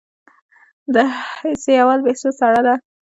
د حصه اول بهسود سړه ده